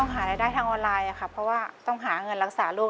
หารายได้ทางออนไลน์ค่ะเพราะว่าต้องหาเงินรักษาลูก